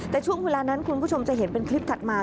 แต่ช่วงเวลานั้นคุณผู้ชมจะเห็นเป็นคลิปถัดมา